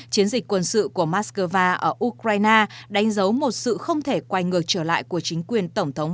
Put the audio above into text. chiến dịch quân sự của moscow ở ukraine đánh dấu một sự không thể quay ngược trở lại của chính quyền tổng thống